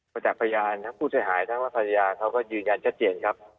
จากพยานทั้งผู้เสียหายทั้งและภรรยาเขาก็ยืนยันชัดเจนครับ